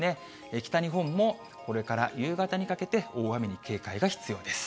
北日本もこれから夕方にかけて、大雨に警戒が必要です。